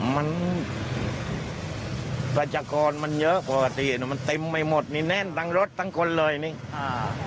มันประชากรมันเยอะปกติมันเต็มไปหมดนี่แน่นทั้งรถทั้งคนเลยนี่อ่า